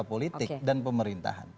politik dan pemerintahan